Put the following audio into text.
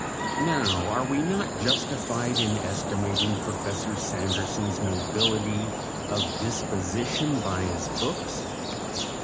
Now, are we not justified in estimating Professor Sanderson's nobility of disposition by his books?